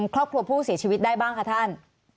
ครอบครัวผู้เสียชีวิตได้บ้างคะท่าน